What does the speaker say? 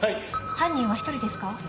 ・犯人は１人ですか？